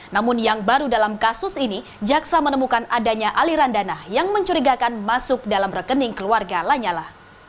namun yang baru dalam kasus ini jaksa menemukan adanya aliran dana yang mencurigakan masuk dalam rekening keluarga lanyala